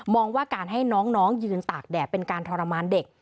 ว่าการให้น้องยืนตากแดดเป็นการทรมานเด็ก